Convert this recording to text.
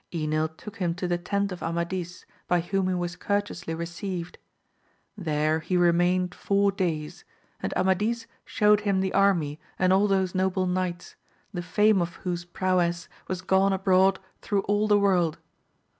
Enil took him to the tent of Amadis, by whom he was courteously received. There he remained four days, and Amadis shewed him the army and all those noble knights, the fame of whose prowess was gone abroad through all the world.